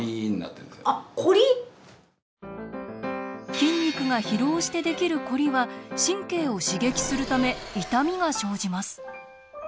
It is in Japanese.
筋肉が疲労して出来るコリは神経を刺激するため痛みが生じます。